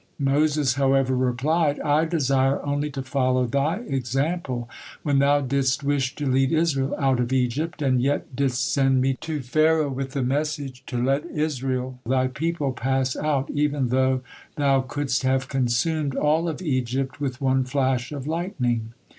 Moses, however, replied: "I desire only to follow Thy example when Thou didst wish to lead Israel out of Egypt, and yet didst send me to Pharaoh with the message to let Israel, Thy people, pass out, even though Thou couldst have consumed all of Egypt with one flash of lightning.